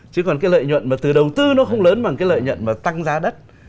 chứ còn cái lợi nhuận mà từ đầu tư nó không lớn bằng cái lợi nhuận mà tăng giá đất